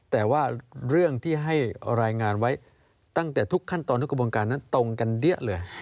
แต่ว่าเรื่องที่ให้รายงานไว้ตั้งแต่ทุกขั้นตอนทุกกระบวนการนั้นตรงกันเดี้ยเลย